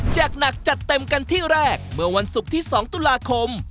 หนักจัดเต็มกันที่แรกเมื่อวันศุกร์ที่๒ตุลาคม